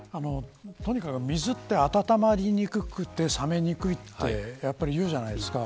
水は暖まりにくくて冷めにくいっていうじゃないですか。